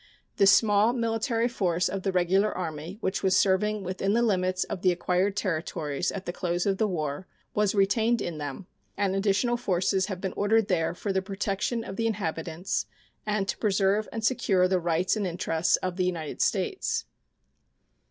The small military force of the Regular Army which was serving within the limits of the acquired territories at the close of the war was retained in them, and additional forces have been ordered there for the protection of the inhabitants and to preserve and secure the rights and interests of the United States.